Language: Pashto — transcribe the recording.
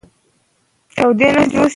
"زه په ځمكه كښي د يو خليفه پيدا كوونكى يم!"